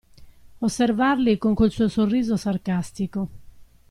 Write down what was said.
Osservarli con quel suo sorriso sarcastico.